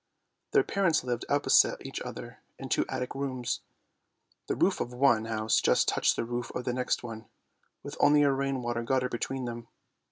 Their parents lived opposite each other in two attic rooms. The roof of one house just touched the roof of the next one, with only a rain water gutter between them.